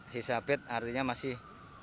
sisa bed artinya masih enam ratus delapan puluh tujuh